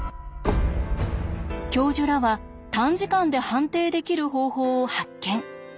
教授らは短時間で判定できる方法を発見。